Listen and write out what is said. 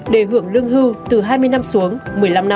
đề hưởng lương hưu từ hai mươi năm xuống một mươi năm năm